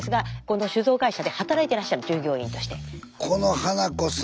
この酒造会社で働いてらっしゃる従業員として。